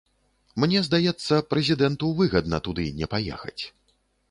Мне здаецца, прэзідэнту выгадна туды не паехаць.